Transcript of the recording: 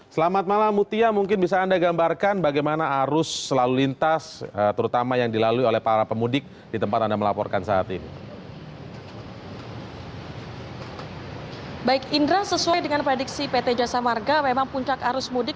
selamat malam mutia mungkin bisa anda gambarkan bagaimana arus selalu lintas terutama yang dilalui oleh para pemudik di tempat anda melaporkan saat ini